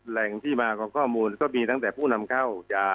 แหล่งที่มาของข้อมูลก็มีตั้งแต่ผู้นำเข้า